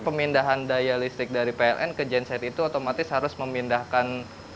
pemindahan daya listrik dari pln ke genset itu otomatis harus memindahkan